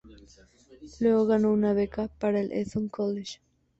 Luego ganó una beca para el Eton College.